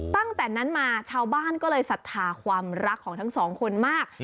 ตั้งแต่นั้นมาชาวบ้านก็เลยศรัทธาความรักของทั้งสองคนมาก